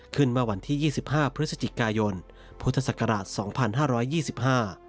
ขึ้นมาวันที่๒๕พฤศจิกายนพุทธศักราช๒๕๒๕